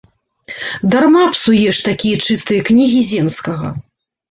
Дарма псуеш такія чыстыя кнігі земскага.